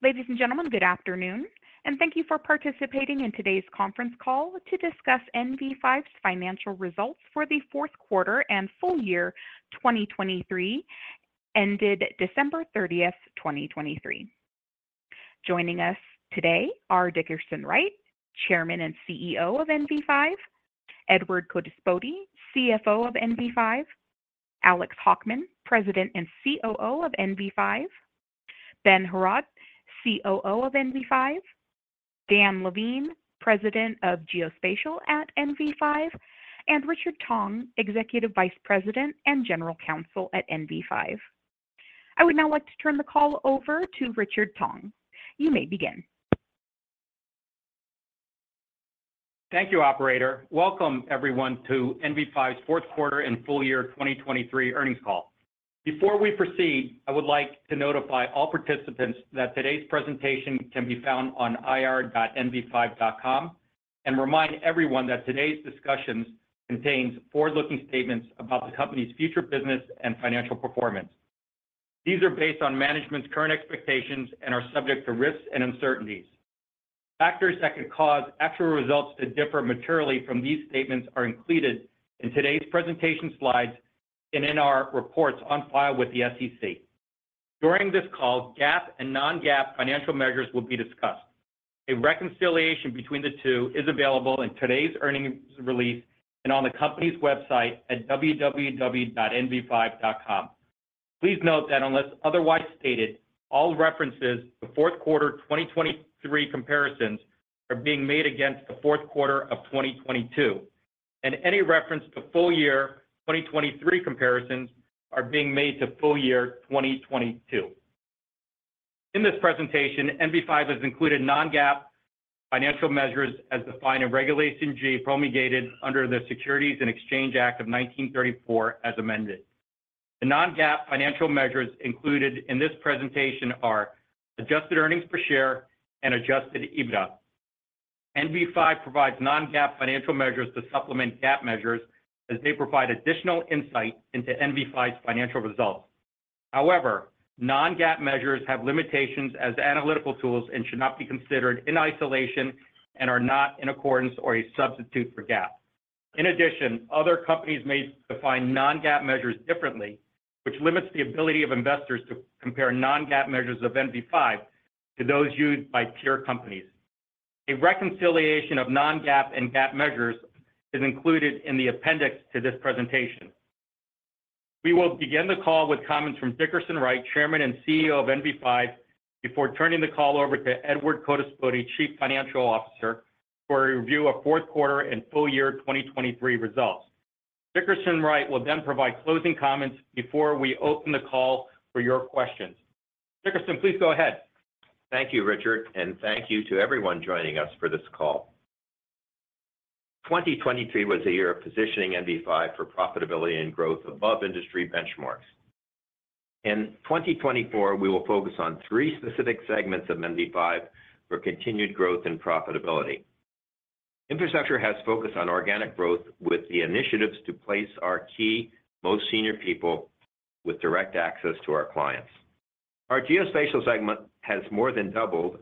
Ladies, and gentlemen, good afternoon, and thank you for participating in today's conference call to discuss NV5's Financial Results for the Fourth Quarter and Full Year 2023, ended December 30th, 2023. Joining us today are Dickerson Wright, Chairman and CEO of NV5, Edward Codispoti, CFO of NV5, Alex Hockman, President and COO of NV5, Ben Heraud, COO of NV5, Dan Levine, President of Geospatial at NV5, and Richard Tong, Executive Vice President and General Counsel at NV5. I would now like to turn the call over to Richard Tong. You may begin. Thank you, Operator. Welcome, everyone, to NV5's Fourth Quarter and Full Year 2023 Earnings Call. Before we proceed, I would like to notify all participants that today's presentation can be found on ir.nv5.com and remind everyone that today's discussions contain forward-looking statements about the company's future business and financial performance. These are based on management's current expectations and are subject to risks and uncertainties. Factors that could cause actual results to differ materially from these statements are included in today's presentation slides and in our reports on file with the SEC. During this call, GAAP and non-GAAP financial measures will be discussed. A reconciliation between the two is available in today's earnings release and on the company's website at www.nv5.com. Please note that unless otherwise stated, all references to fourth quarter 2023 comparisons are being made against the fourth quarter of 2022, and any reference to full year 2023 comparisons are being made to full year 2022. In this presentation, NV5 has included non-GAAP financial measures as defined in Regulation G, promulgated under the Securities and Exchange Act of 1934 as amended. The non-GAAP financial measures included in this presentation are Adjusted Earnings Per Share and Adjusted EBITDA. NV5 provides non-GAAP financial measures to supplement GAAP measures as they provide additional insight into NV5's financial results. However, non-GAAP measures have limitations as analytical tools and should not be considered in isolation and are not in accordance or a substitute for GAAP. In addition, other companies may define non-GAAP measures differently, which limits the ability of investors to compare non-GAAP measures of NV5 to those used by peer companies. A reconciliation of Non-GAAP and GAAP measures is included in the appendix to this presentation. We will begin the call with comments from Dickerson Wright, Chairman and CEO of NV5, before turning the call over to Edward Codispoti, Chief Financial Officer, for a review of fourth quarter and full year 2023 results. Dickerson Wright will then provide closing comments before we open the call for your questions. Dickerson, please go ahead. Thank you, Richard, and thank you to everyone joining us for this call. 2023 was a year of positioning NV5 for profitability and growth above industry benchmarks. In 2024, we will focus on three specific segments of NV5 for continued growth and profitability. Infrastructure has focused on organic growth with the initiatives to place our key, most senior people with direct access to our clients. Our Geospatial segment has more than doubled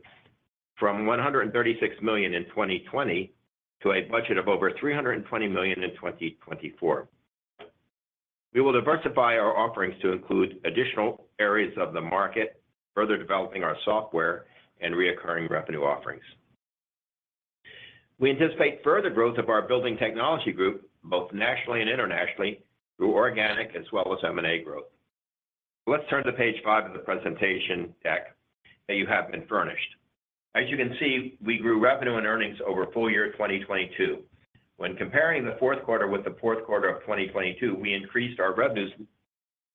from $136 million in 2020 to a budget of over $320 million in 2024. We will diversify our offerings to include additional areas of the market, further developing our software, and recurring revenue offerings. We anticipate further growth of our building technology group, both nationally and internationally, through organic as well as M&A growth. Let's turn to page five of the presentation deck that you have been furnished. As you can see, we grew revenue and earnings over full year 2022. When comparing the fourth quarter with the fourth quarter of 2022, we increased our revenues,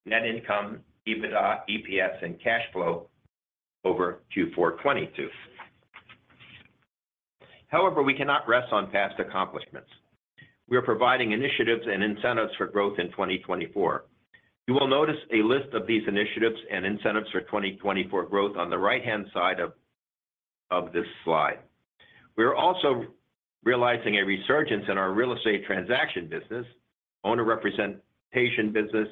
net income, EBITDA, EPS, and cash flow over Q4 2022. However, we cannot rest on past accomplishments. We are providing initiatives and incentives for growth in 2024. You will notice a list of these initiatives and incentives for 2024 growth on the right-hand side of this slide. We are also realizing a resurgence in our real estate transaction business, owner representation business,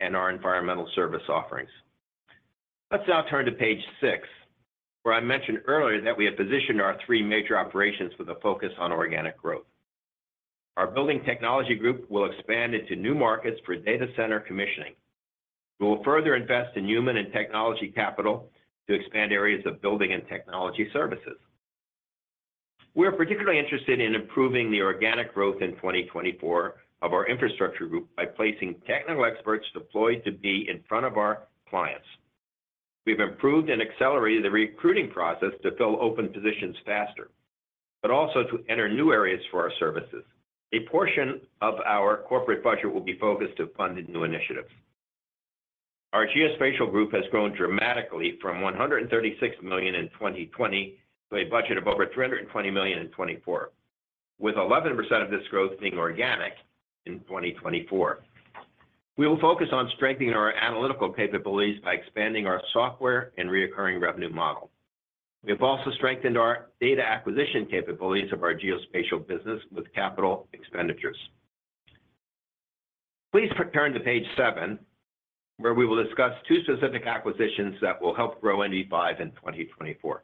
and our environmental service offerings. Let's now turn to page six, where I mentioned earlier that we have positioned our three major operations with a focus on organic growth. Our building technology group will expand into new markets for data center commissioning. We will further invest in human and technology capital to expand areas of building and technology services. We are particularly interested in improving the organic growth in 2024 of our Infrastructure group by placing technical experts deployed to be in front of our clients. We have improved and accelerated the recruiting process to fill open positions faster, but also to enter new areas for our services. A portion of our corporate budget will be focused to fund new initiatives. Our Geospatial group has grown dramatically from $136 million in 2020 to a budget of over $320 million in 2024, with 11% of this growth being organic in 2024. We will focus on strengthening our analytical capabilities by expanding our software and recurring revenue model. We have also strengthened our data acquisition capabilities of our Geospatial business with capital expenditures. Please turn to page seven, where we will discuss two specific acquisitions that will help grow NV5 in 2024.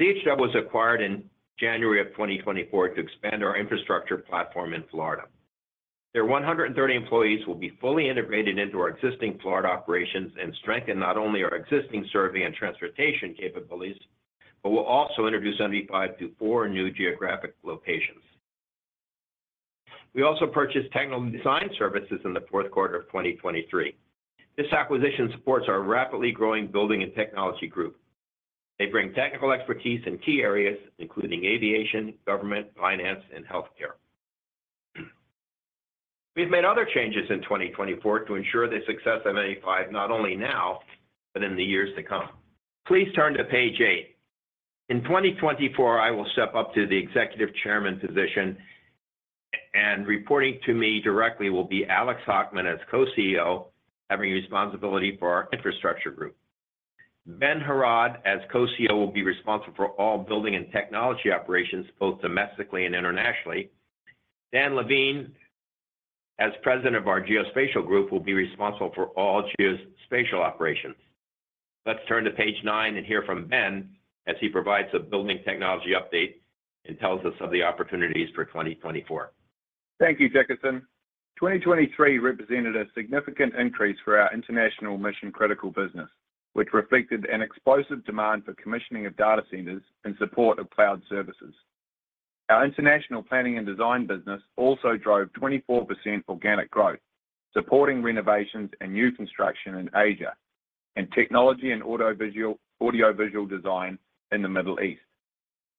CHW was acquired in January of 2024 to expand our Infrastructure platform in Florida. Their 130 employees will be fully integrated into our existing Florida operations and strengthen not only our existing survey and transportation capabilities, but will also introduce NV5 to four new geographic locations. We also purchased Technical Design Services in the fourth quarter of 2023. This acquisition supports our rapidly growing building and technology group. They bring technical expertise in key areas, including aviation, government, finance, and healthcare. We have made other changes in 2024 to ensure the success of NV5 not only now, but in the years to come. Please turn to page eight. In 2024, I will step up to the Executive Chairman position, and reporting to me directly will be Alex Hockman as Co-CEO, having responsibility for our Infrastructure group. Ben Heraud as Co-CEO will be responsible for all building and technology operations, both domestically and internationally. Dan Levine, as President of our Geospatial group, will be responsible for all Geospatial operations. Let's turn to page nine and hear from Ben as he provides a building technology update and tells us of the opportunities for 2024. Thank you, Dickerson. 2023 represented a significant increase for our international mission-critical business, which reflected an explosive demand for commissioning of data centers in support of cloud services. Our international planning and design business also drove 24% organic growth, supporting renovations and new construction in Asia, and technology and audiovisual design in the Middle East.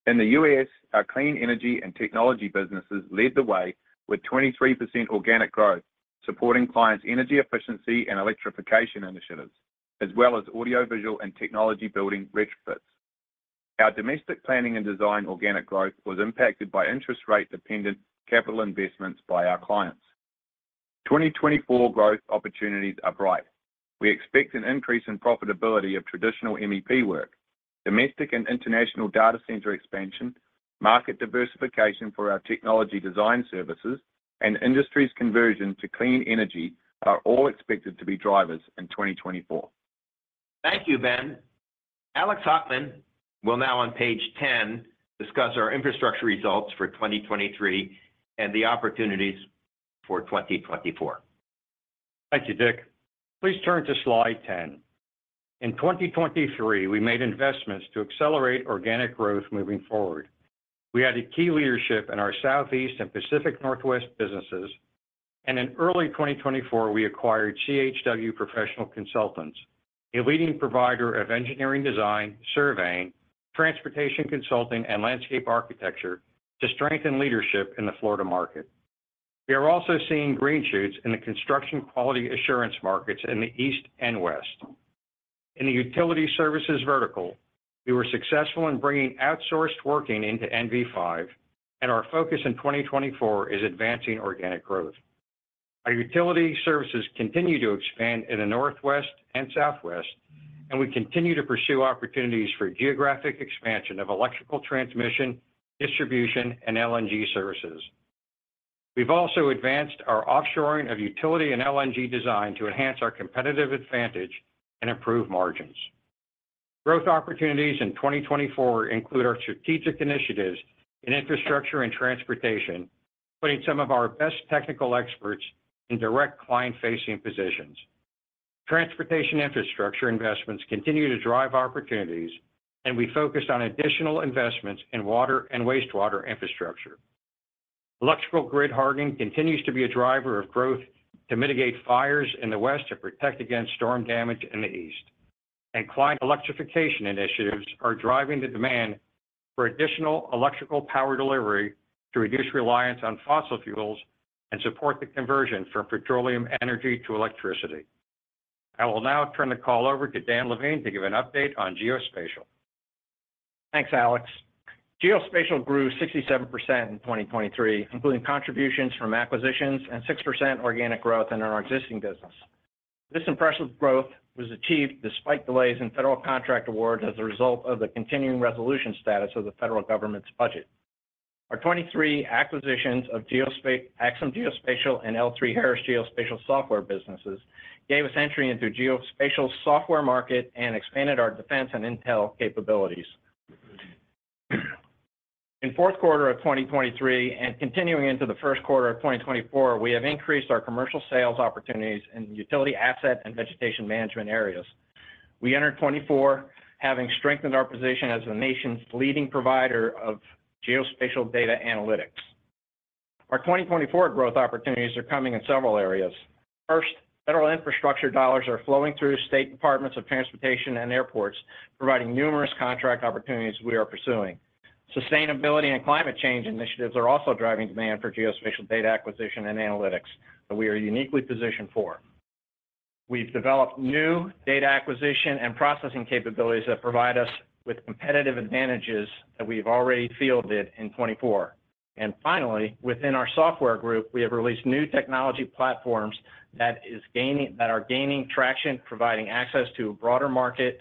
In the U.S., our clean energy and technology businesses led the way with 23% organic growth, supporting clients' energy efficiency and electrification initiatives, as well as audiovisual and technology building retrofits. Our domestic planning and design organic growth was impacted by interest-rate-dependent capital investments by our clients. 2024 growth opportunities are bright. We expect an increase in profitability of traditional MEP work. Domestic and international data center expansion, market diversification for our technology design services, and industries' conversion to clean energy are all expected to be drivers in 2024. Thank you, Ben. Alex Hockman will now, on page 10, discuss our Infrastructure results for 2023 and the opportunities for 2024. Thank you, Dick. Please turn to slide 10. In 2023, we made investments to accelerate organic growth moving forward. We added key leadership in our Southeast and Pacific Northwest businesses, and in early 2024, we acquired CHW Professional Consultants, a leading provider of engineering design, surveying, transportation consulting, and landscape architecture, to strengthen leadership in the Florida market. We are also seeing green shoots in the construction quality assurance markets in the East and West. In the utility services vertical, we were successful in bringing outsourced working into NV5, and our focus in 2024 is advancing organic growth. Our utility services continue to expand in the Northwest and Southwest, and we continue to pursue opportunities for geographic expansion of electrical transmission, distribution, and LNG services. We've also advanced our offshoring of utility and LNG design to enhance our competitive advantage and improve margins. Growth opportunities in 2024 include our strategic initiatives in Infrastructure and transportation, putting some of our best technical experts in direct client-facing positions. Transportation Infrastructure investments continue to drive opportunities, and we focused on additional investments in water and wastewater Infrastructure. Electrical grid hardening continues to be a driver of growth to mitigate fires in the West and protect against storm damage in the East, and climate electrification initiatives are driving the demand for additional electrical power delivery to reduce reliance on fossil fuels and support the conversion from petroleum energy to electricity. I will now turn the call over to Dan Levine to give an update on Geospatial. Thanks, Alex. Geospatial grew 67% in 2023, including contributions from acquisitions and 6% organic growth in our existing business. This impressive growth was achieved despite delays in Federal Contract awards as a result of the Continuing Resolution status of the Federal Government's budget. Our 2023 acquisitions of Axim Geospatial and L3Harris Geospatial software businesses gave us entry into the Geospatial software market and expanded our defense and intel capabilities. In fourth quarter of 2023 and continuing into the first quarter of 2024, we have increased our commercial sales opportunities in utility asset and vegetation management areas. We entered 2024 having strengthened our position as the nation's leading provider of Geospatial data analytics. Our 2024 growth opportunities are coming in several areas. First, Federal Infrastructure dollars are flowing through state departments of transportation and airports, providing numerous contract opportunities we are pursuing. Sustainability and climate change initiatives are also driving demand for Geospatial data acquisition and analytics that we are uniquely positioned for. We've developed new data acquisition and processing capabilities that provide us with competitive advantages that we've already fielded in 2024. And finally, within our software group, we have released new technology platforms that are gaining traction, providing access to a broader market,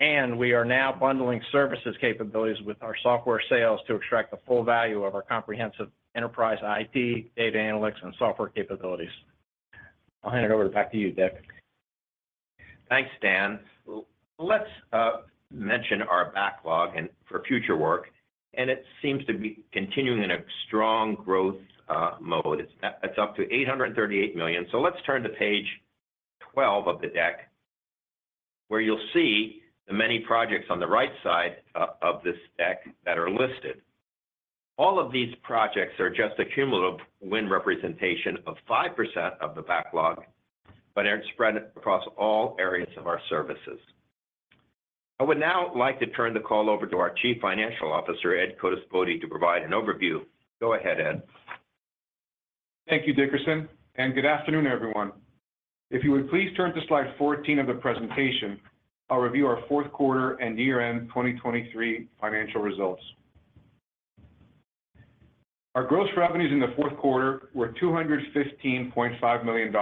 and we are now bundling services capabilities with our software sales to extract the full value of our comprehensive enterprise IT, data analytics, and software capabilities. I'll hand it back to you, Dick. Thanks, Dan. Let's mention our backlog for future work, and it seems to be continuing in a strong growth mode. It's up to $838 million. So let's turn to page 12 of the deck, where you'll see the many projects on the right side of this deck that are listed. All of these projects are just a cumulative wind representation of 5% of the backlog, but are spread across all areas of our services. I would now like to turn the call over to our Chief Financial Officer, Ed Codispoti, to provide an overview. Go ahead, Ed. Thank you, Dickerson, and good afternoon, everyone. If you would please turn to slide 14 of the presentation, I'll review our fourth quarter and year-end 2023 financial results. Our gross revenues in the fourth quarter were $215.5 million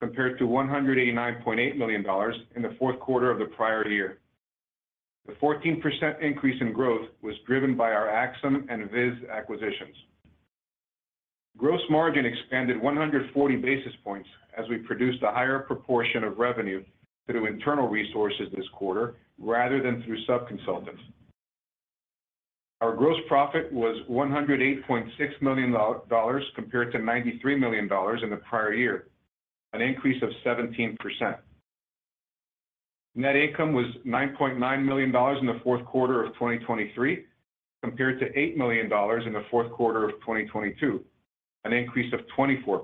compared to $189.8 million in the fourth quarter of the prior year. The 14% increase in growth was driven by our Axim and VIS acquisitions. Gross margin expanded 140 basis points as we produced a higher proportion of revenue through internal resources this quarter rather than through subconsultants. Our gross profit was $108.6 million compared to $93 million in the prior year, an increase of 17%. Net income was $9.9 million in the fourth quarter of 2023 compared to $8 million in the fourth quarter of 2022, an increase of 24%.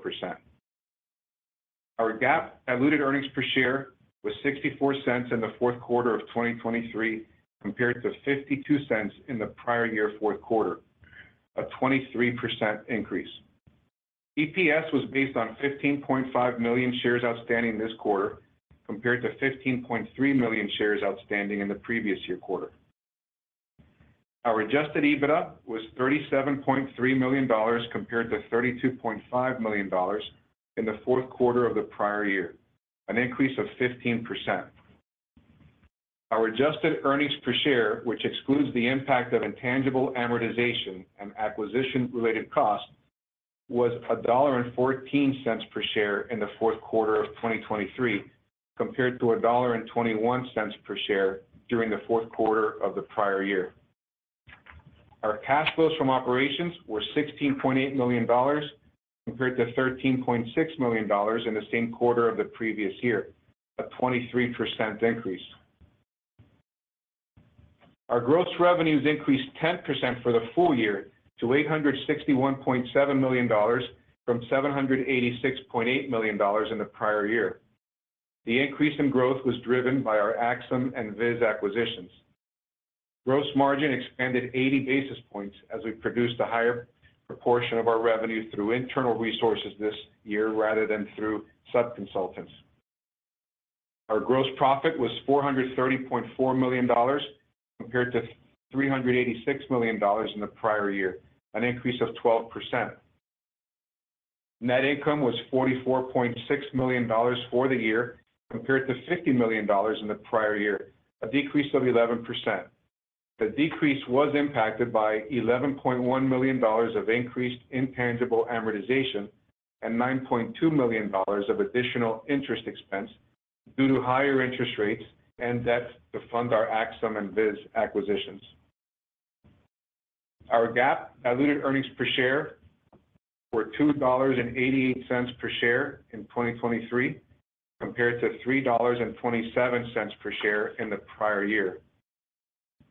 Our GAAP diluted earnings per share was $0.64 in the fourth quarter of 2023 compared to $0.52 in the prior year fourth quarter, a 23% increase. EPS was based on 15.5 million shares outstanding this quarter compared to 15.3 million shares outstanding in the previous year quarter. Our Adjusted EBITDA was $37.3 million compared to $32.5 million in the fourth quarter of the prior year, an increase of 15%. Our Adjusted Earnings Per Share, which excludes the impact of intangible amortization and acquisition-related costs, was $1.14 per share in the fourth quarter of 2023 compared to $1.21 per share during the fourth quarter of the prior year. Our cash flows from operations were $16.8 million compared to $13.6 million in the same quarter of the previous year, a 23% increase. Our gross revenues increased 10% for the full year to $861.7 million from $786.8 million in the prior year. The increase in growth was driven by our Axim and VIS acquisitions. Gross margin expanded 80 basis points as we produced a higher proportion of our revenue through internal resources this year rather than through subconsultants. Our gross profit was $430.4 million compared to $386 million in the prior year, an increase of 12%. Net income was $44.6 million for the year compared to $50 million in the prior year, a decrease of 11%. The decrease was impacted by $11.1 million of increased intangible amortization and $9.2 million of additional interest expense due to higher interest rates and debt to fund our Axim and VIS acquisitions. Our GAAP diluted earnings per share were $2.88 per share in 2023 compared to $3.27 per share in the prior year.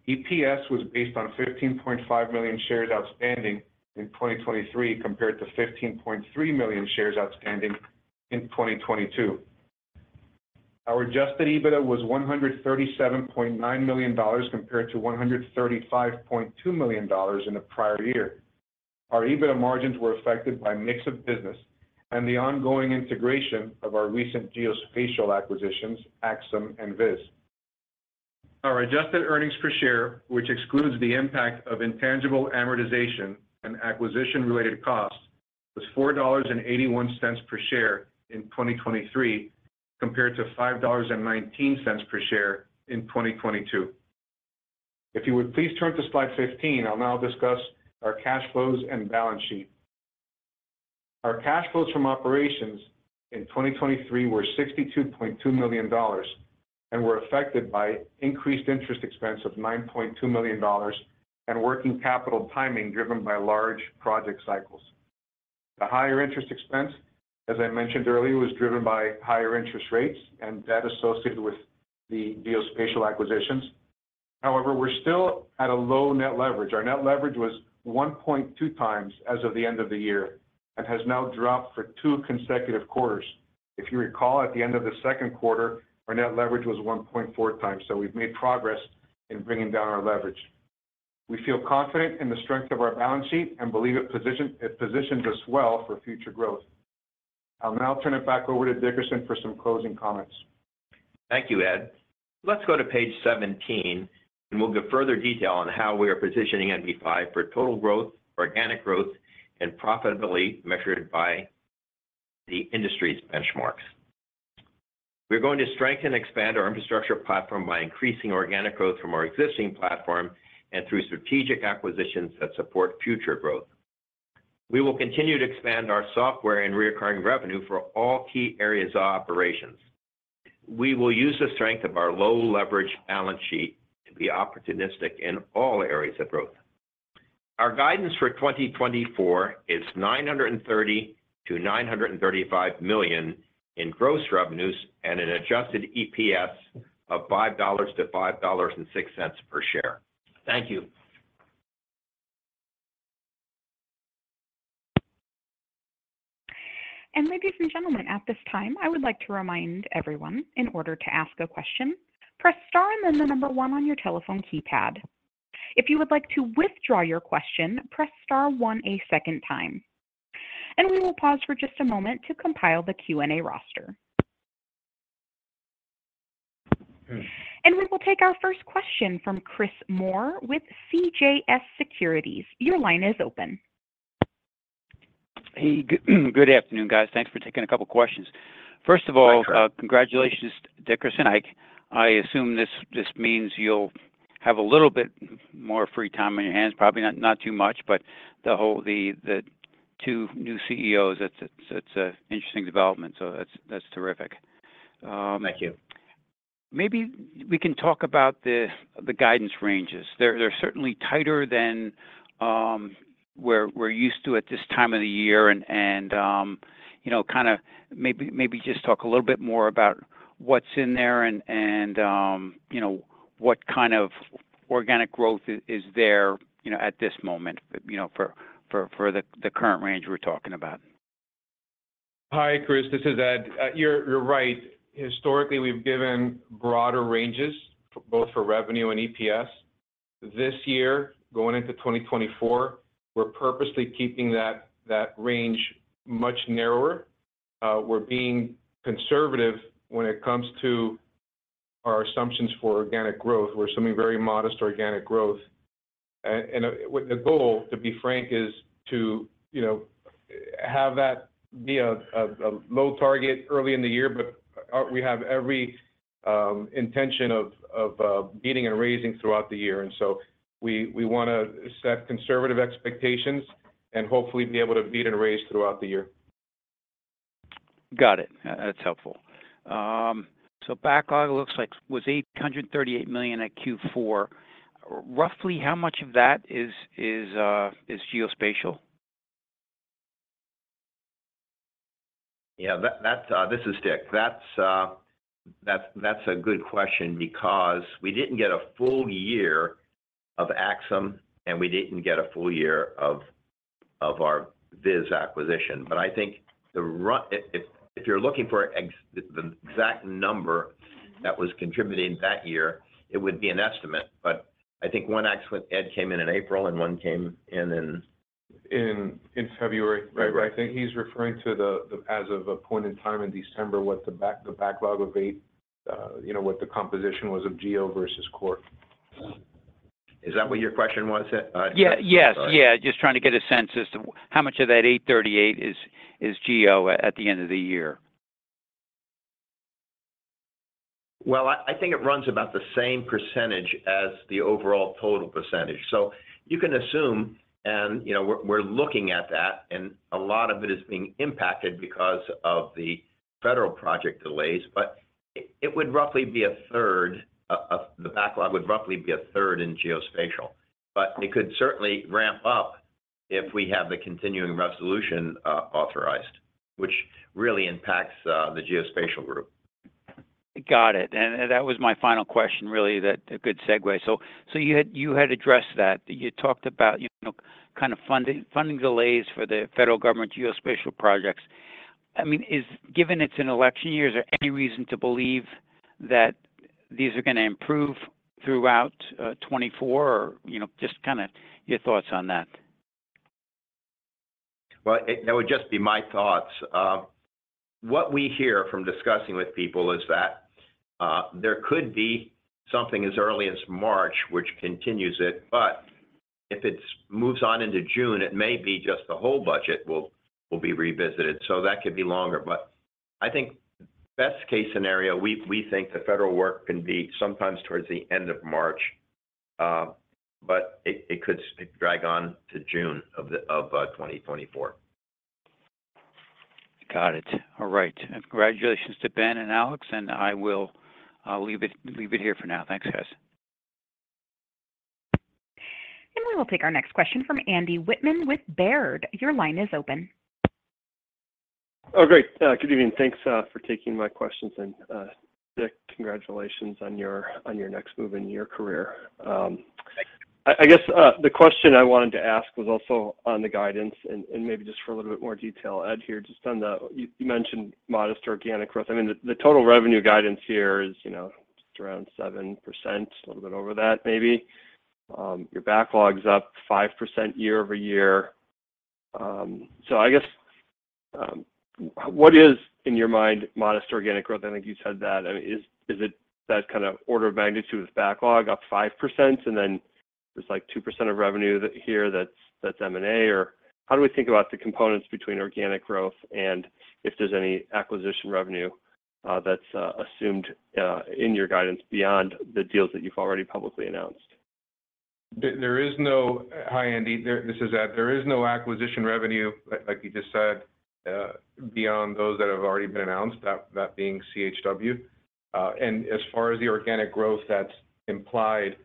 EPS was based on 15.5 million shares outstanding in 2023 compared to 15.3 million shares outstanding in 2022. Our Adjusted EBITDA was $137.9 million compared to $135.2 million in the prior year. Our EBITDA margins were affected by a mix of business and the ongoing integration of our recent Geospatial acquisitions, Axim and VIS. Our Adjusted Earnings Per Share, which excludes the impact of intangible amortization and acquisition-related costs, was $4.81 per share in 2023 compared to $5.19 per share in 2022. If you would please turn to slide 15, I'll now discuss our cash flows and balance sheet. Our cash flows from operations in 2023 were $62.2 million and were affected by increased interest expense of $9.2 million and working capital timing driven by large project cycles. The higher interest expense, as I mentioned earlier, was driven by higher interest rates and debt associated with the Geospatial acquisitions. However, we're still at a low net leverage. Our net leverage was 1.2x as of the end of the year and has now dropped for two consecutive quarters. If you recall, at the end of the second quarter, our net leverage was 1.4x, so we've made progress in bringing down our leverage. We feel confident in the strength of our balance sheet and believe it positions us well for future growth. I'll now turn it back over to Dickerson for some closing comments. Thank you, Ed. Let's go to page 17, and we'll give further detail on how we are positioning NV5 for total growth, organic growth, and profitability measured by the industry's benchmarks. We are going to strengthen and expand our Infrastructure platform by increasing organic growth from our existing platform and through strategic acquisitions that support future growth. We will continue to expand our software and recurring revenue for all key areas of operations. We will use the strength of our low leverage balance sheet to be opportunistic in all areas of growth. Our guidance for 2024 is $930 million-$935 million in gross revenues and an Adjusted EPS of $5-$5.06 per share. Thank you. Ladies, and gentlemen, at this time, I would like to remind everyone, in order to ask a question, press star and then the number one on your telephone keypad. If you would like to withdraw your question, press star one a second time. We will pause for just a moment to compile the Q&A roster. We will take our first question from Chris Moore with CJS Securities. Your line is open. Hey, good afternoon, guys. Thanks for taking a couple of questions. First of all, congratulations, Dickerson. I assume this means you'll have a little bit more free time on your hands, probably not too much, but the two new CEOs, it's an interesting development, so that's terrific. Thank you. Maybe we can talk about the guidance ranges. They're certainly tighter than we're used to at this time of the year, and kind of maybe just talk a little bit more about what's in there and what kind of organic growth is there at this moment for the current range we're talking about. Hi, Chris. This is Ed. You're right. Historically, we've given broader ranges, both for revenue and EPS. This year, going into 2024, we're purposely keeping that range much narrower. We're being conservative when it comes to our assumptions for organic growth. We're assuming very modest organic growth. And the goal, to be frank, is to have that be a low target early in the year, but we have every intention of beating and raising throughout the year. And so we want to set conservative expectations and hopefully be able to beat and raise throughout the year. Got it. That's helpful. So backlog looks like it was $838 million at Q4. Roughly, how much of that is Geospatial? Yeah, this is Dick. That's a good question because we didn't get a full year of Axim, and we didn't get a full year of our VIS acquisition. But I think if you're looking for the exact number that was contributing that year, it would be an estimate. But I think one acquisition, Ed, came in in April, and one came in in. In February, right? I think he's referring to, as of a point in time in December, what the backlog of eight what the composition was of Geo versus core. Is that what your question was, Ed? Yeah, yes. Yeah, just trying to get a sense as to how much of that $838 is Geo at the end of the year. Well, I think it runs about the same percentage as the overall total percentage. So you can assume, and we're looking at that, and a lot of it is being impacted because of the Federal project delays, but it would roughly be a third; the backlog would roughly be a third in Geospatial. But it could certainly ramp up if we have the Continuing Resolution authorized, which really impacts the Geospatial group. Got it. That was my final question, really, a good segue. You had addressed that. You talked about kind of funding delays for the Federal Government Geospatial projects. I mean, given it's an election year, is there any reason to believe that these are going to improve throughout 2024, or just kind of your thoughts on that? Well, that would just be my thoughts. What we hear from discussing with people is that there could be something as early as March which continues it, but if it moves on into June, it may be just the whole budget will be revisited. So that could be longer. But I think best-case scenario, we think the Federal work can be sometimes towards the end of March, but it could drag on to June of 2024. Got it. All right. Congratulations to Ben and Alex, and I will leave it here for now. Thanks, guys. We will take our next question from Andy Whitman with Baird. Your line is open. Oh, great. Good evening. Thanks for taking my questions. And Dick, congratulations on your next move in your career. I guess the question I wanted to ask was also on the guidance and maybe just for a little bit more detail, Ed, here, just on the you mentioned modest organic growth. I mean, the total revenue guidance here is just around 7%, a little bit over that, maybe. Your backlog's up 5% year-over-year. So I guess what is, in your mind, modest organic growth? I think you said that. I mean, is it that kind of order of magnitude with backlog, up 5%, and then there's like 2% of revenue here that's M&A? Or how do we think about the components between organic growth and if there's any acquisition revenue that's assumed in your guidance beyond the deals that you've already publicly announced? There is no high-end. This is Ed. There is no acquisition revenue, like you just said, beyond those that have already been announced, that being CHW. And as far as the organic growth that's implied,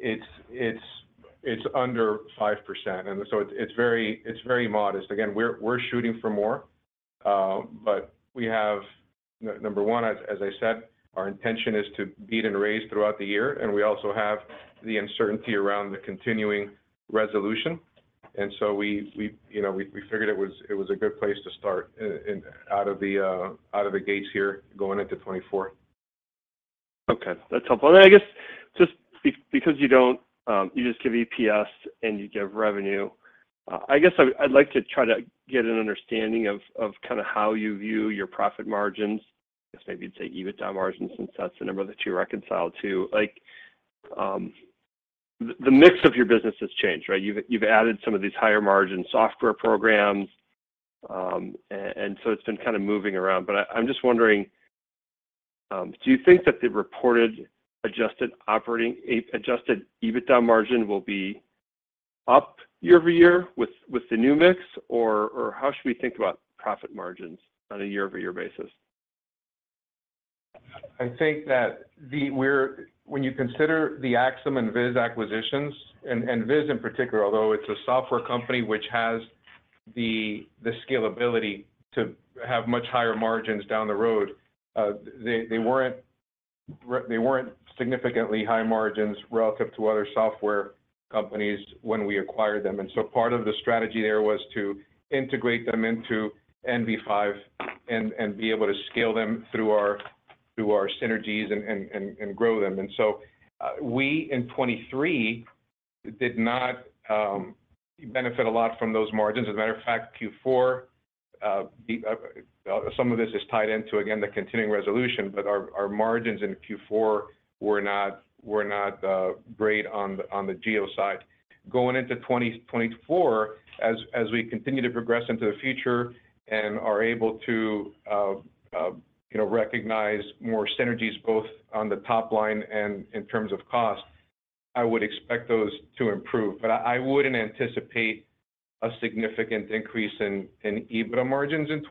it's under 5%. And so it's very modest. Again, we're shooting for more, but we have number one, as I said, our intention is to beat and raise throughout the year, and we also have the uncertainty around the Continuing Resolution. And so we figured it was a good place to start out of the gates here going into 2024. Okay. That's helpful. And then I guess just because you just give EPS and you give revenue, I guess I'd like to try to get an understanding of kind of how you view your profit margins. I guess maybe you'd say EBITDA margins since that's the number that you reconcile to. The mix of your business has changed, right? You've added some of these higher margin software programs, and so it's been kind of moving around. But I'm just wondering, do you think that the reported Adjusted EBITDA margin will be up year-over-year with the new mix, or how should we think about profit margins on a year-over-year basis? I think that when you consider the Axim and VIS acquisitions and VIS in particular, although it's a software company which has the scalability to have much higher margins down the road, they weren't significantly high margins relative to other software companies when we acquired them. And so part of the strategy there was to integrate them into NV5 and be able to scale them through our synergies and grow them. And so we, in 2023, did not benefit a lot from those margins. As a matter of fact, Q4, some of this is tied into, again, the Continuing Resolution, but our margins in Q4 were not great on the Geo side. Going into 2024, as we continue to progress into the future and are able to recognize more synergies both on the top line and in terms of cost, I would expect those to improve. But I wouldn't anticipate a significant increase in EBITDA margins in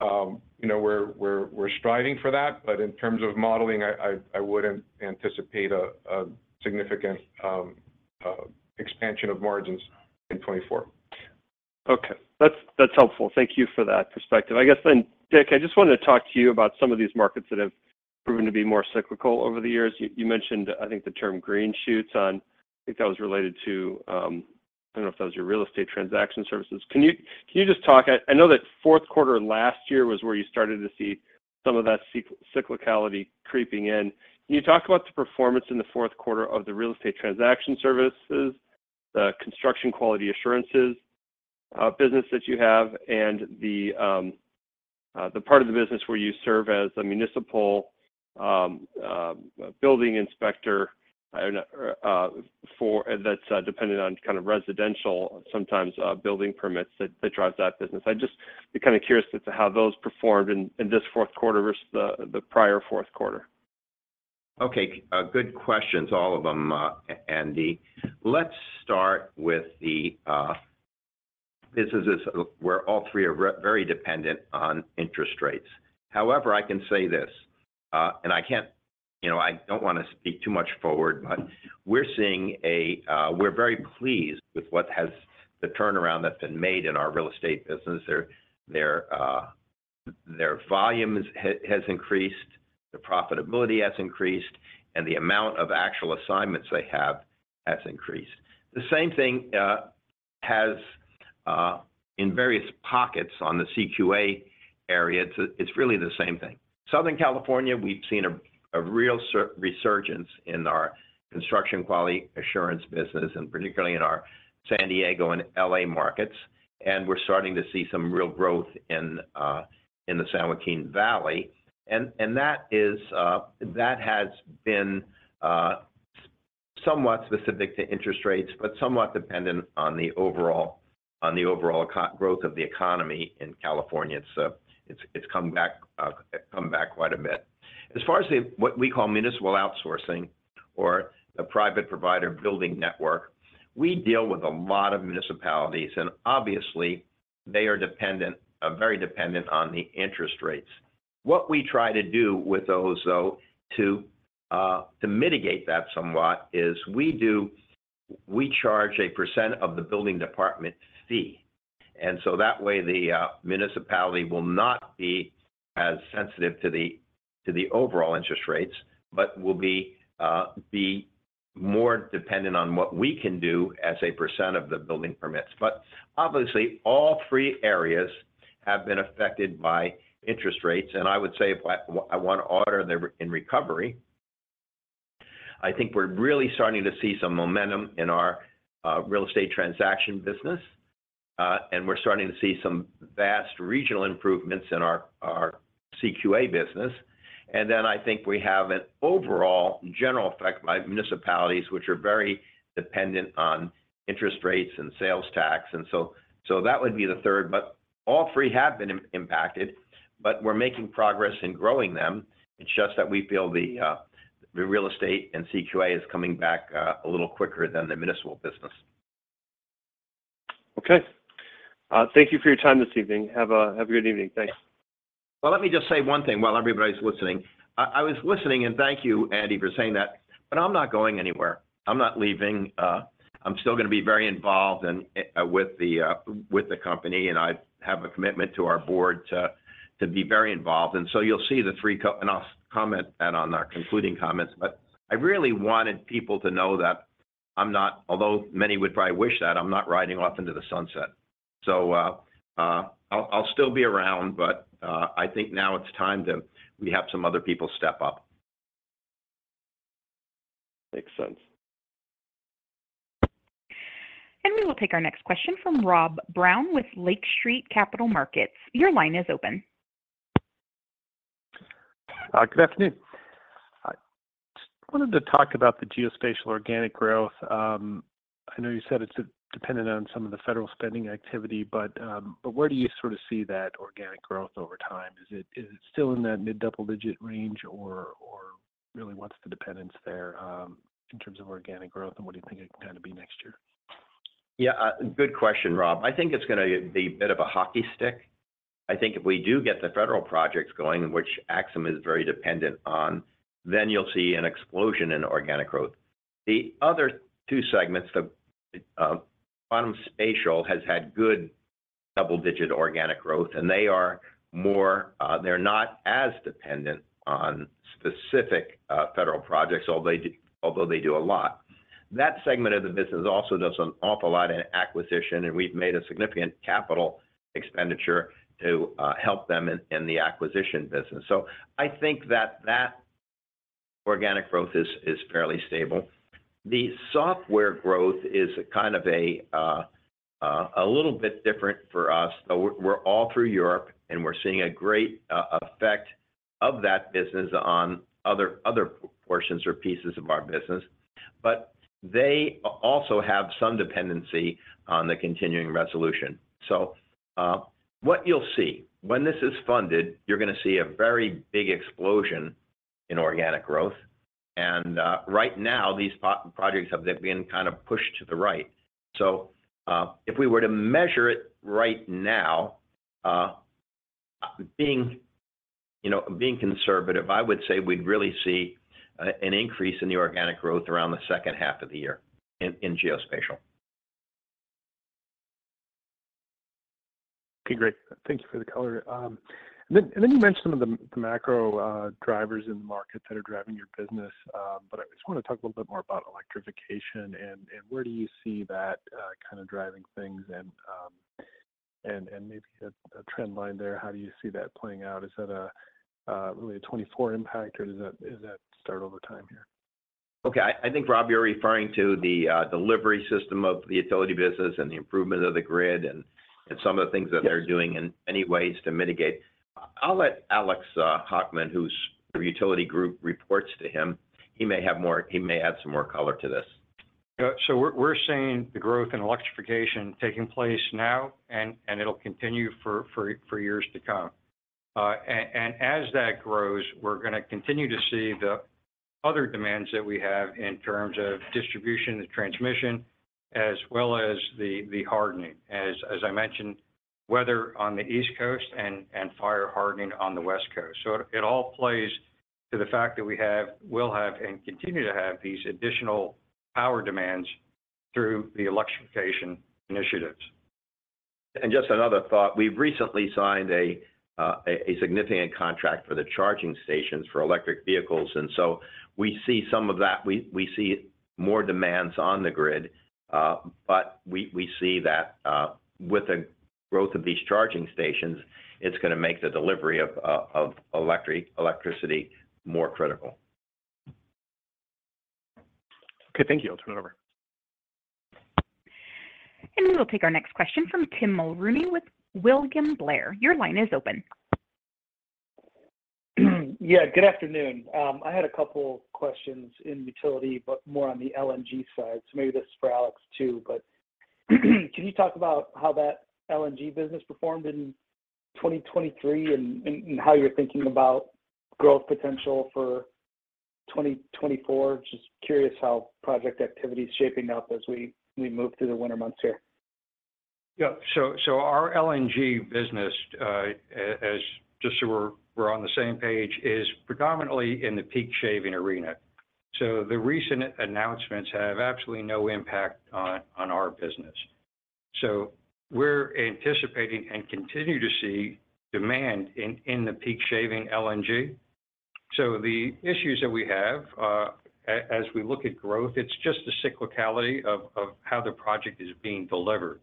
2024. We're striving for that, but in terms of modeling, I wouldn't anticipate a significant expansion of margins in 2024. Okay. That's helpful. Thank you for that perspective. I guess then, Dick, I just wanted to talk to you about some of these markets that have proven to be more cyclical over the years. You mentioned, I think, the term green shoots on. I think that was related to. I don't know if that was your real estate transaction services. Can you just talk? I know that fourth quarter last year was where you started to see some of that cyclicality creeping in. Can you talk about the performance in the fourth quarter of the real estate transaction services, the Construction Quality Assurances business that you have, and the part of the business where you serve as a municipal building inspector that's dependent on kind of residential, sometimes building permits that drives that business? I'd be kind of curious as to how those performed in this fourth quarter versus the prior fourth quarter. Okay. Good questions, all of them, Andy. Let's start with the businesses where all three are very dependent on interest rates. However, I can say this, and I don't want to speak too much forward, but we're seeing we're very pleased with the turnaround that's been made in our real estate business. Their volume has increased. The profitability has increased, and the amount of actual assignments they have has increased. The same thing has, in various pockets on the CQA area, it's really the same thing. Southern California, we've seen a real resurgence in our Construction Quality Assurance business, and particularly in our San Diego and L.A. markets. And we're starting to see some real growth in the San Joaquin Valley. And that has been somewhat specific to interest rates, but somewhat dependent on the overall growth of the economy in California. It's come back quite a bit. As far as what we call municipal outsourcing or the private provider building network, we deal with a lot of municipalities, and obviously, they are very dependent on the interest rates. What we try to do with those, though, to mitigate that somewhat is we charge a percent of the building department fee. And so that way, the Municipality will not be as sensitive to the overall interest rates, but will be more dependent on what we can do as a percent of the building permits. But obviously, all three areas have been affected by interest rates, and I would say, on their end in recovery, I think we're really starting to see some momentum in our real estate transaction business, and we're starting to see some vast regional improvements in our CQA business. And then I think we have an overall general effect by municipalities which are very dependent on interest rates and sales tax. And so that would be the third. But all three have been impacted, but we're making progress in growing them. It's just that we feel the Real Estate and CQA is coming back a little quicker than the Municipal business. Okay. Thank you for your time this evening. Have a good evening. Thanks. Well, let me just say one thing while everybody's listening. I was listening, and thank you, Andy, for saying that, but I'm not going anywhere. I'm not leaving. I'm still going to be very involved with the company, and I have a commitment to our board to be very involved. And so you'll see the three and I'll comment on our concluding comments. But I really wanted people to know that I'm not although many would probably wish that, I'm not riding off into the sunset. So I'll still be around, but I think now it's time to we have some other people step up. Makes sense. We will take our next question from Rob Brown with Lake Street Capital Markets. Your line is open. Good afternoon. I just wanted to talk about the Geospatial organic growth. I know you said it's dependent on some of the Federal spending activity, but where do you sort of see that organic growth over time? Is it still in that mid-double-digit range, or really, what's the dependence there in terms of organic growth, and what do you think it can kind of be next year? Yeah. Good question, Rob. I think it's going to be a bit of a hockey stick. I think if we do get the Federal projects going, which Axim is very dependent on, then you'll see an explosion in organic growth. The other two segments, the Geospatial, has had good double-digit organic growth, and they are more, they're not as dependent on specific Federal projects, although they do a lot. That segment of the business also does an awful lot in acquisition, and we've made a significant capital expenditure to help them in the acquisition business. So I think that that organic growth is fairly stable. The software growth is kind of a little bit different for us, though we're all through Europe, and we're seeing a great effect of that business on other portions or pieces of our business. But they also have some dependency on the Continuing Resolution. So what you'll see, when this is funded, you're going to see a very big explosion in organic growth. And right now, these projects have been kind of pushed to the right. So if we were to measure it right now, being conservative, I would say we'd really see an increase in the organic growth around the second half of the year in Geospatial. Okay. Great. Thank you for the color. Then you mentioned some of the macro drivers in the market that are driving your business, but I just want to talk a little bit more about electrification. Where do you see that kind of driving things? Maybe a trend line there, how do you see that playing out? Is that really a 2024 impact, or does that start over time here? Okay. I think, Rob, you're referring to the delivery system of the utility business and the improvement of the grid and some of the things that they're doing anyways to mitigate. I'll let Alex Hockman, who's your utility group, reports to him. He may have more; he may add some more color to this. Yeah. So we're seeing the growth in electrification taking place now, and it'll continue for years to come. And as that grows, we're going to continue to see the other demands that we have in terms of distribution, the transmission, as well as the hardening. As I mentioned, weather on the East Coast and fire hardening on the West Coast. So it all plays to the fact that we will have and continue to have these additional power demands through the electrification initiatives. Just another thought. We've recently signed a significant contract for the charging stations for electric vehicles, and so we see some of that. We see more demands on the grid, but we see that with the growth of these charging stations, it's going to make the delivery of electricity more critical. Okay. Thank you. I'll turn it over. We will take our next question from Tim Mulrooney with William Blair. Your line is open. Yeah. Good afternoon. I had a couple of questions in utility, but more on the LNG side. So maybe this is for Alex too, but can you talk about how that LNG business performed in 2023 and how you're thinking about growth potential for 2024? Just curious how project activity is shaping up as we move through the winter months here? Yeah. So our LNG business, just so we're on the same page, is predominantly in the peak shaving arena. So the recent announcements have absolutely no impact on our business. So we're anticipating and continue to see demand in the peak shaving LNG. So the issues that we have, as we look at growth, it's just the cyclicality of how the project is being delivered.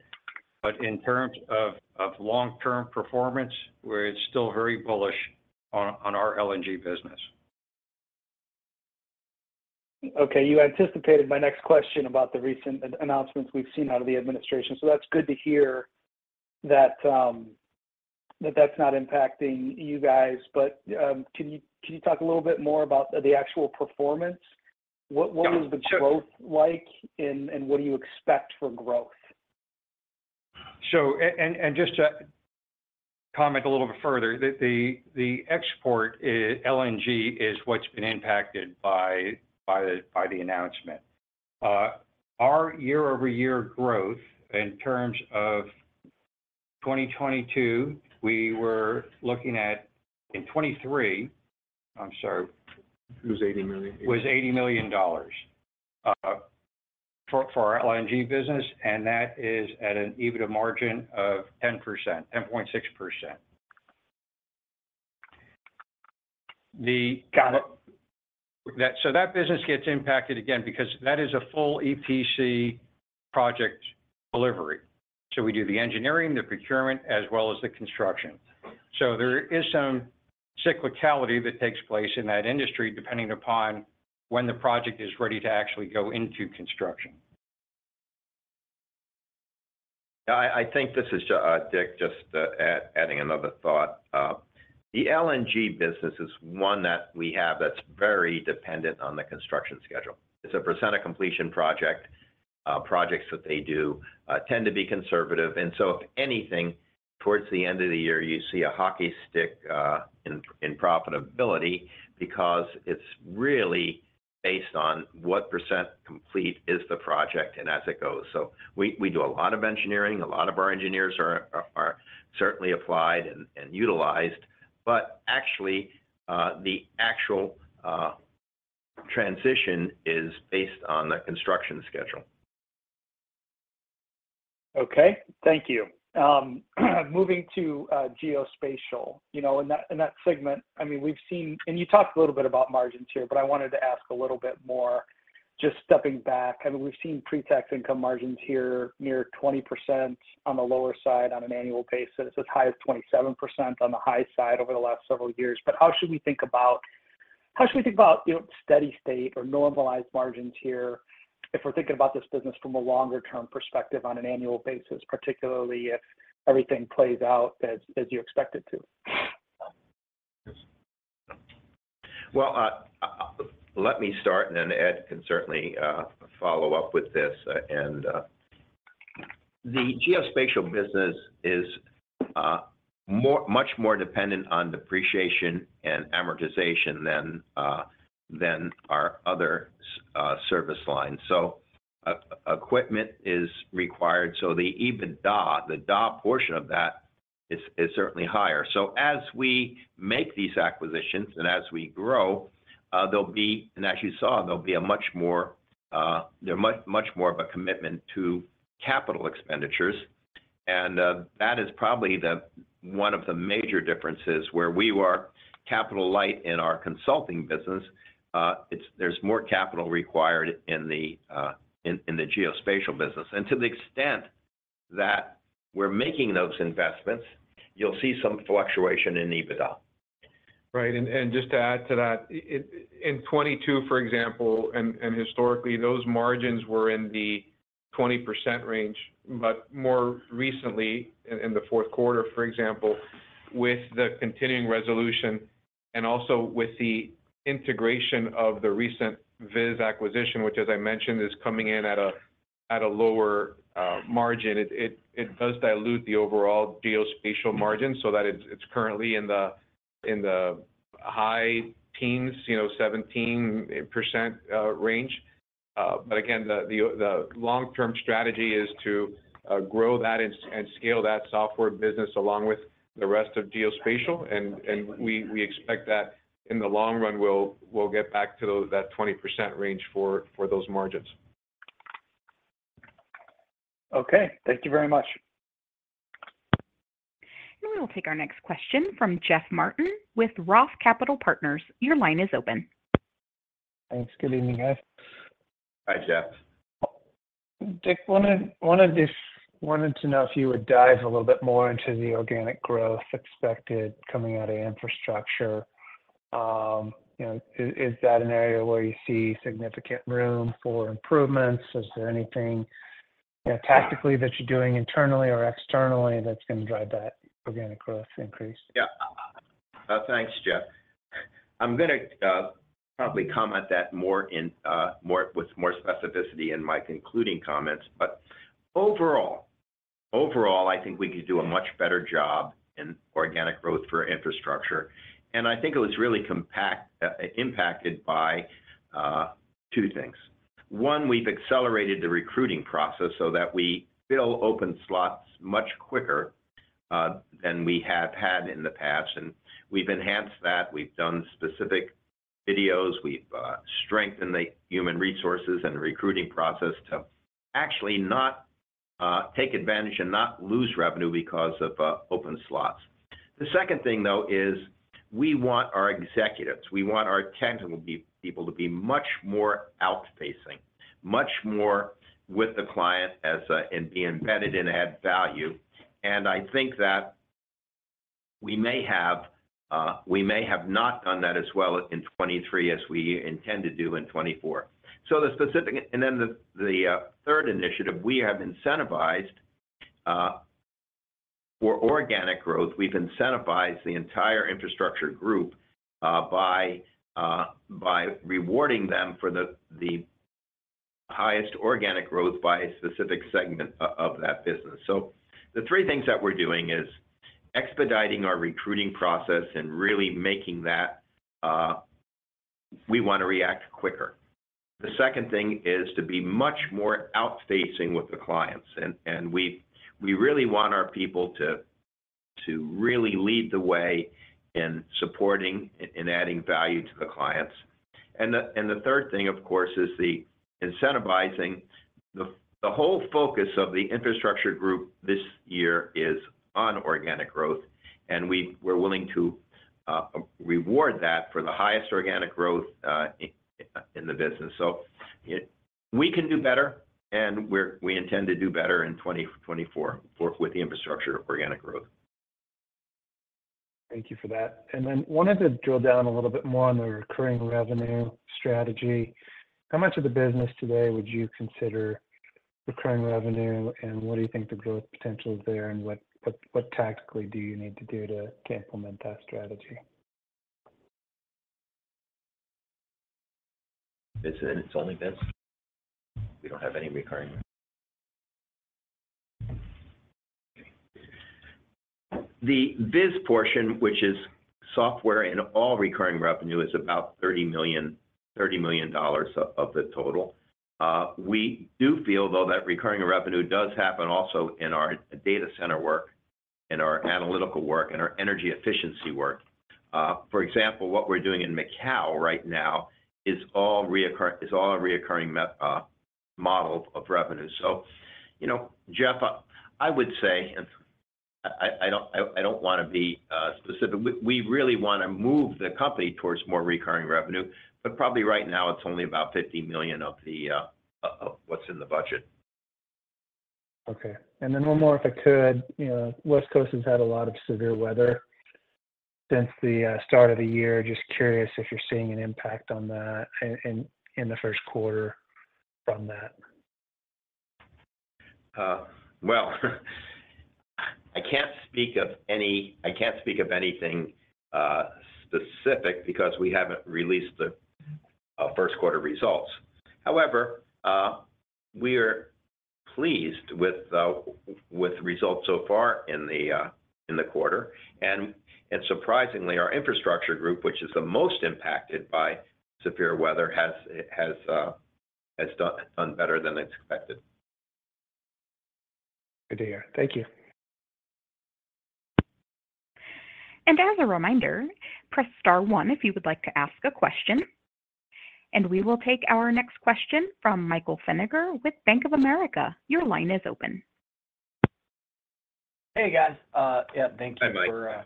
But in terms of long-term performance, we're still very bullish on our LNG business. Okay. You anticipated my next question about the recent announcements we've seen out of the administration, so that's good to hear that that's not impacting you guys. But can you talk a little bit more about the actual performance? What was the growth like, and what do you expect for growth? Just to comment a little bit further, the export LNG is what's been impacted by the announcement. Our year-over-year growth in terms of 2022, we were looking at in 2023, I'm sorry. It was $80 million. Was $80 million for our LNG business, and that is at an EBITDA margin of 10%, 10.6%. So that business gets impacted again because that is a full EPC project delivery. So we do the Engineering, the Procurement, as well as the Construction. So there is some cyclicality that takes place in that industry depending upon when the project is ready to actually go into construction. Yeah. I think, this is Dick, just adding another thought. The LNG business is one that we have that's very dependent on the construction schedule. It's a percent-of-completion project. Projects that they do tend to be conservative. And so if anything, towards the end of the year, you see a hockey stick in profitability because it's really based on what % complete is the project and as it goes. So we do a lot of engineering. A lot of our engineers are certainly applied and utilized, but actually, the actual transition is based on the construction schedule. Okay. Thank you. Moving to Geospatial, in that segment, I mean, we've seen and you talked a little bit about margins here, but I wanted to ask a little bit more, just stepping back. I mean, we've seen pre-tax income margins here near 20% on the lower side on an annual basis, as high as 27% on the high side over the last several years. But how should we think about how should we think about steady state or normalized margins here if we're thinking about this business from a longer-term perspective on an annual basis, particularly if everything plays out as you expect it to? Well, let me start and then Ed can certainly follow up with this. The Geospatial business is much more dependent on depreciation and amortization than our other service lines. So equipment is required. So the EBITDA, the D&A portion of that, is certainly higher. So as we make these acquisitions and as we grow, there'll be, as you saw, much more of a commitment to capital expenditures. And that is probably one of the major differences where we are capital light in our consulting business. There's more capital required in the Geospatial business. And to the extent that we're making those investments, you'll see some fluctuation in EBITDA. Right. And just to add to that, in 2022, for example, and historically, those margins were in the 20% range. But more recently, in the fourth quarter, for example, with the Continuing Resolution and also with the integration of the recent VIS acquisition, which, as I mentioned, is coming in at a lower margin, it does dilute the overall Geospatial margin so that it's currently in the high teens, 17% range. But again, the long-term strategy is to grow that and scale that software business along with the rest of Geospatial. And we expect that in the long run we'll get back to that 20% range for those margins. Okay. Thank you very much. We will take our next question from Jeff Martin with Roth Capital Partners. Your line is open. Thanks. Good evening, guys. Hi, Jeff. Dick wanted to know if you would dive a little bit more into the organic growth expected coming out of Infrastructure. Is that an area where you see significant room for improvements? Is there anything tactically that you're doing internally or externally that's going to drive that organic growth increase? Yeah. Thanks, Jeff. I'm going to probably comment that more with more specificity in my concluding comments. But overall, I think we could do a much better job in organic growth for Infrastructure. And I think it was really impacted by two things. One, we've accelerated the recruiting process so that we fill open slots much quicker than we have had in the past. And we've enhanced that. We've done specific videos. We've strengthened the human resources and recruiting process to actually not take advantage and not lose revenue because of open slots. The second thing, though, is we want our executives. We want our technical people to be much more out-facing, much more with the client and be embedded and add value. And I think that we may have not done that as well in 2023 as we intend to do in 2024. And then the third initiative, we have incentivized for organic growth. We've incentivized the entire Infrastructure group by rewarding them for the highest organic growth by a specific segment of that business. So the three things that we're doing is expediting our recruiting process and really making that we want to react quicker. The second thing is to be much more out-facing with the clients. And we really want our people to really lead the way in supporting and adding value to the clients. And the third thing, of course, is the incentivizing. The whole focus of the Infrastructure group this year is on organic growth, and we're willing to reward that for the highest organic growth in the business. So we can do better, and we intend to do better in 2024 with the Infrastructure organic growth. Thank you for that. And then wanted to drill down a little bit more on the recurring revenue strategy. How much of the business today would you consider recurring revenue, and what do you think the growth potential is there, and what tactically do you need to do to implement that strategy? It's only VIS. We don't have any recurring. The VIS portion, which is software in all recurring revenue, is about $30 million of the total. We do feel, though, that recurring revenue does happen also in our data center work, in our analytical work, in our energy efficiency work. For example, what we're doing in Macau right now is all a recurring model of revenue. So, Jeff, I would say and I don't want to be specific. We really want to move the company towards more recurring revenue, but probably right now, it's only about $50 million of what's in the budget. Okay. And then one more, if I could. West Coast has had a lot of severe weather since the start of the year. Just curious if you're seeing an impact on that in the first quarter from that. Well, I can't speak of anything specific because we haven't released the first quarter results. However, we are pleased with the results so far in the quarter. Surprisingly, our Infrastructure group, which is the most impacted by severe weather, has done better than expected. Good to hear. Thank you. As a reminder, press star 1 if you would like to ask a question. We will take our next question from Michael Feniger with Bank of America. Your line is open. Hey, guys. Yeah. Thank you for. Hi, Mike.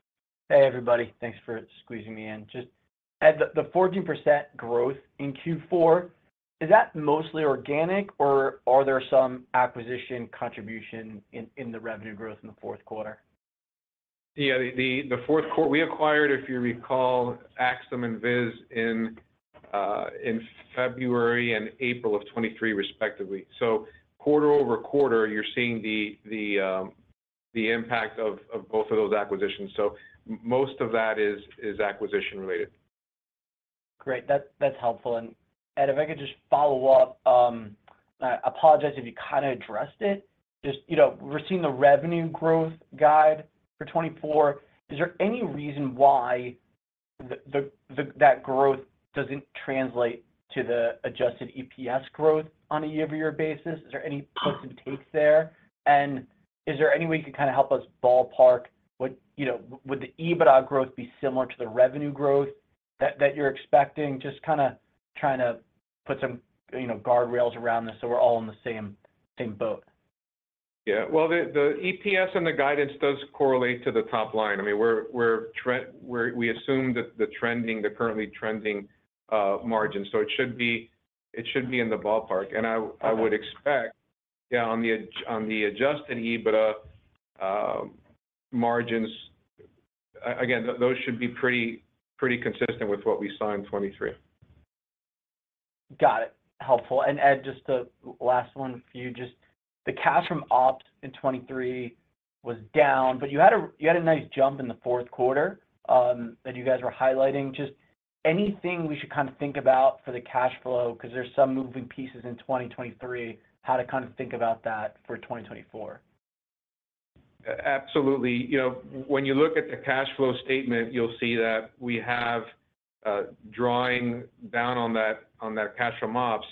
Hey, everybody. Thanks for squeezing me in. Just Ed, the 14% growth in Q4, is that mostly organic, or are there some acquisition contribution in the revenue growth in the fourth quarter? Yeah. We acquired, if you recall, Axim and VIS in February and April of 2023, respectively. Quarter-over-quarter, you're seeing the impact of both of those acquisitions. Most of that is acquisition-related. Great. That's helpful. And Ed, if I could just follow up, I apologize if you kind of addressed it. We're seeing the revenue growth guide for 2024. Is there any reason why that growth doesn't translate to the Adjusted EPS growth on a year-over-year basis? Is there any puts and takes there? And is there any way you could kind of help us ballpark, would the EBITDA growth be similar to the revenue growth that you're expecting? Just kind of trying to put some guardrails around this so we're all in the same boat. Yeah. Well, the EPS and the guidance does correlate to the top line. I mean, we assume the currently trending margins, so it should be in the ballpark. And I would expect, yeah, on the Adjusted EBITDA margins, again, those should be pretty consistent with what we saw in 2023. Got it. Helpful. And Ed, just the last one for you. The cash from ops in 2023 was down, but you had a nice jump in the fourth quarter that you guys were highlighting. Just anything we should kind of think about for the cash flow because there's some moving pieces in 2023, how to kind of think about that for 2024? Absolutely. When you look at the cash flow statement, you'll see that we have drawing down on that cash from ops,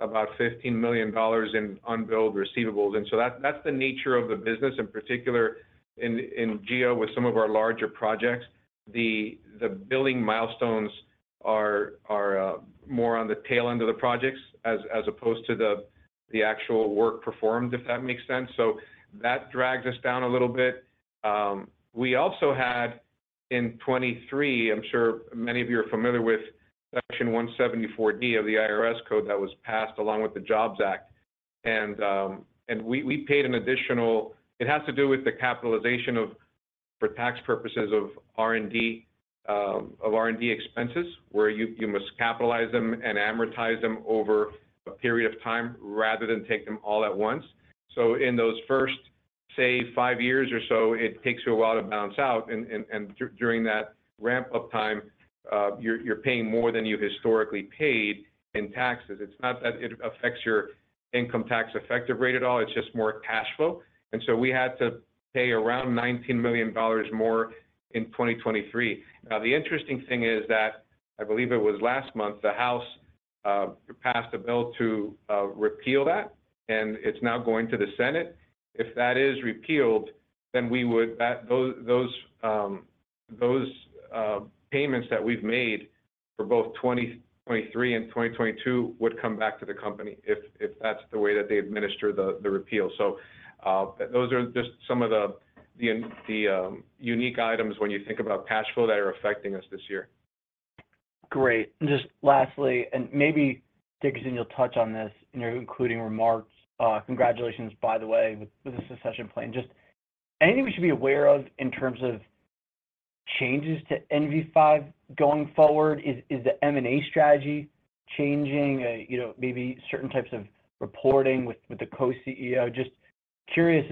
about $15 million in unbilled receivables. So that's the nature of the business, in particular in Geo with some of our larger projects. The billing milestones are more on the tail end of the projects as opposed to the actual work performed, if that makes sense. So that drags us down a little bit. We also had in 2023. I'm sure many of you are familiar with Section 174 of the IRS code that was passed along with the Jobs Act. And we paid an additional. It has to do with the capitalization for tax purposes of R&D expenses where you must capitalize them and amortize them over a period of time rather than take them all at once. So in those first, say, 5 years or so, it takes you a while to balance out. And during that ramp-up time, you're paying more than you historically paid in taxes. It's not that it affects your income tax effective rate at all. It's just more cash flow. And so we had to pay around $19 million more in 2023. Now, the interesting thing is that I believe it was last month the House passed a bill to repeal that, and it's now going to the Senate. If that is repealed, then those payments that we've made for both 2023 and 2022 would come back to the company if that's the way that they administer the repeal. So those are just some of the unique items when you think about cash flow that are affecting us this year. Great. And just lastly, and maybe, Dickerson, you'll touch on this in your concluding remarks. Congratulations, by the way, with the succession plan. Just anything we should be aware of in terms of changes to NV5 going forward? Is the M&A strategy changing? Maybe certain types of reporting with the co-CEO. Just curious,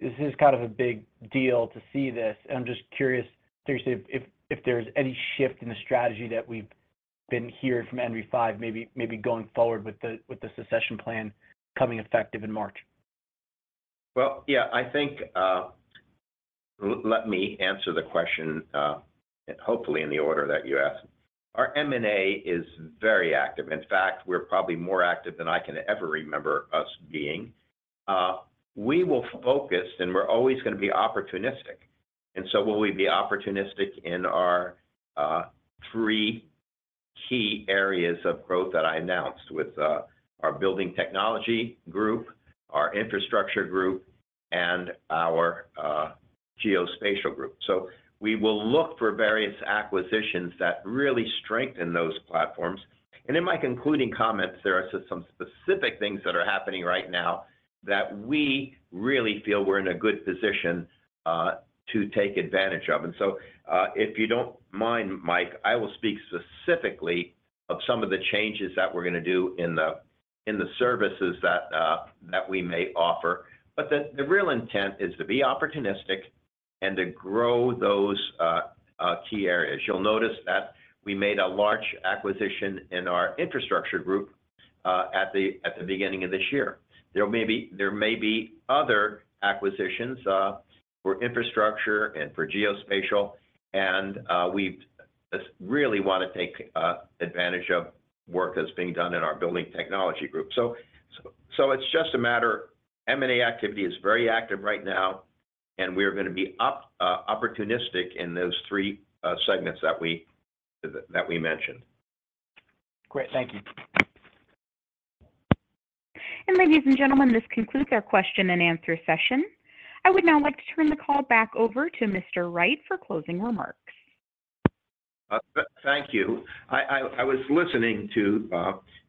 is this kind of a big deal to see this? And I'm just curious, Dickerson, if there's any shift in the strategy that we've been hearing from NV5 maybe going forward with the succession plan coming effective in March. Well, yeah. Let me answer the question, hopefully, in the order that you asked. Our M&A is very active. In fact, we're probably more active than I can ever remember us being. We will focus, and we're always going to be opportunistic. And so will we be opportunistic in our three key areas of growth that I announced with our Building Technology group, our Infrastructure group, and our Geospatial group? So we will look for various acquisitions that really strengthen those platforms. And in my concluding comments, there are some specific things that are happening right now that we really feel we're in a good position to take advantage of. And so if you don't mind, Mike, I will speak specifically of some of the changes that we're going to do in the services that we may offer. But the real intent is to be opportunistic and to grow those key areas. You'll notice that we made a large acquisition in our Infrastructure group at the beginning of this year. There may be other acquisitions for Infrastructure and for Geospatial, and we really want to take advantage of work that's being done in our Building Technology group. So it's just a matter M&A activity is very active right now, and we are going to be opportunistic in those three segments that we mentioned. Great. Thank you. Ladies, and gentlemen, this concludes our question-and-answer session. I would now like to turn the call back over to Mr. Wright for closing remarks. Thank you. I was listening to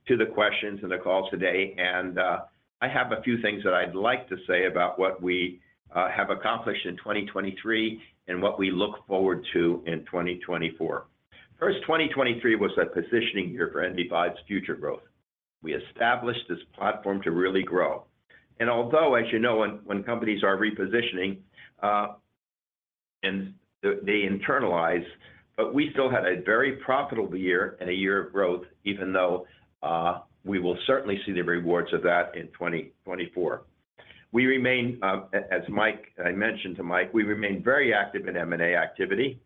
the questions and the calls today, and I have a few things that I'd like to say about what we have accomplished in 2023 and what we look forward to in 2024. First, 2023 was a positioning year for NV5's future growth. We established this platform to really grow. Although, as you know, when companies are repositioning and they internalize, but we still had a very profitable year and a year of growth, even though we will certainly see the rewards of that in 2024. As I mentioned to Mike, we remain very active in M&A activity.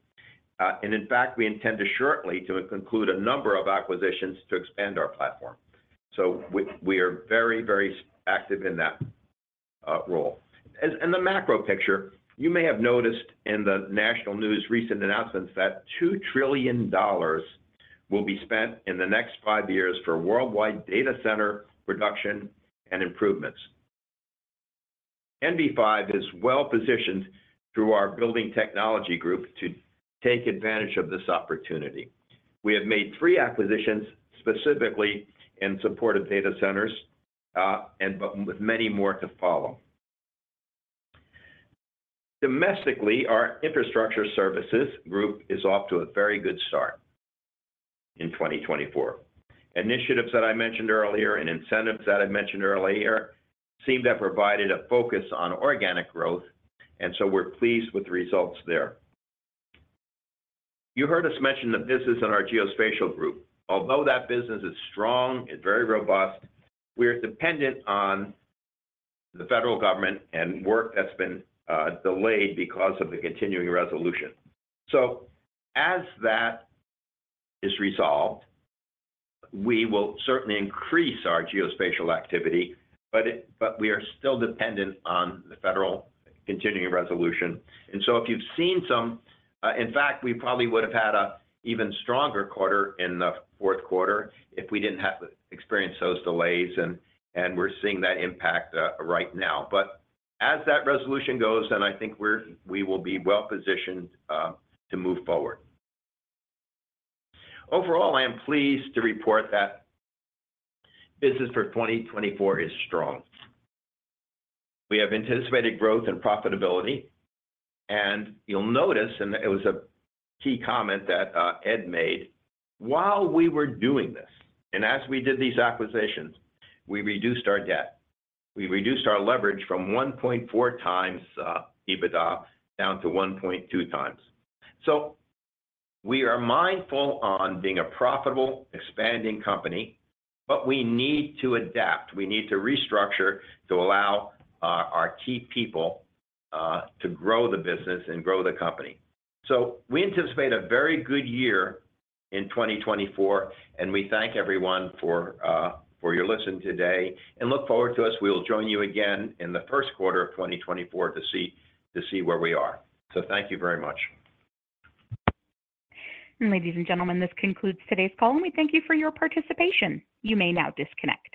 In fact, we intend shortly to conclude a number of acquisitions to expand our platform. We are very, very active in that role. In the macro picture, you may have noticed in the national news recent announcements that $2 trillion will be spent in the next five years for worldwide data center production and improvements. NV5 is well-positioned through our building technology group to take advantage of this opportunity. We have made three acquisitions specifically in support of data centers, but with many more to follow. Domestically, our Infrastructure services group is off to a very good start in 2024. Initiatives that I mentioned earlier and incentives that I mentioned earlier seem to have provided a focus on organic growth, and so we're pleased with the results there. You heard us mention the business in our Geospatial group. Although that business is strong, it's very robust, we are dependent on the Federal Government and work that's been delayed because of the Continuing Resolution. So as that is resolved, we will certainly increase our Geospatial activity, but we are still dependent on the Federal Continuing Resolution. And so if you've seen some in fact, we probably would have had an even stronger quarter in the fourth quarter if we didn't experience those delays, and we're seeing that impact right now. But as that resolution goes, then I think we will be well-positioned to move forward. Overall, I am pleased to report that business for 2024 is strong. We have anticipated growth and profitability. And you'll notice, and it was a key comment that Ed made, while we were doing this and as we did these acquisitions, we reduced our debt. We reduced our leverage from 1.4x EBITDA down to 1.2x. So we are mindful on being a profitable, expanding company, but we need to adapt. We need to restructure to allow our key people to grow the business and grow the company. So we anticipate a very good year in 2024, and we thank everyone for your listening today and look forward to us. We will join you again in the first quarter of 2024 to see where we are. So thank you very much. Ladies, and gentlemen, this concludes today's call. We thank you for your participation. You may now disconnect.